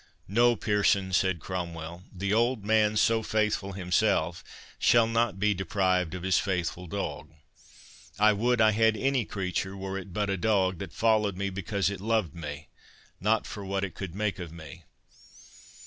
"No, Pearson," said Cromwell; "the old man, so faithful himself, shall not be deprived of his faithful dog—I would I had any creature, were it but a dog, that followed me because it loved me, not for what it could make of me."